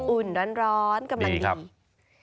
อุ่นร้อนกำลังดี